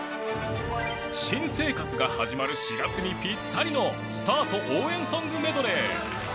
新生活が始まる４月にピッタリのスタート応援ソングメドレー